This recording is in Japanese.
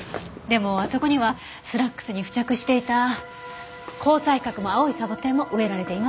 でもあそこにはスラックスに付着していた紅彩閣も青いサボテンも植えられていませんでした。